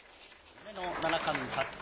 夢の七冠達成。